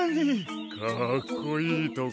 かっこいいとこ。